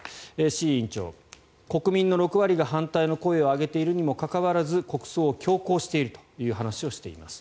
国民の６割が反対の声を上げているにもかかわらず国葬を強行しているという話をしています。